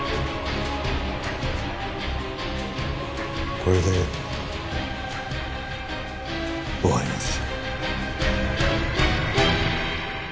これで終わりなんです。